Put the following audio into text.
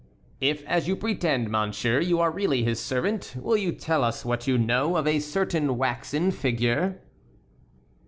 "If as you pretend, monsieur, you are really his servant, will you tell us what you know of a certain waxen figure?"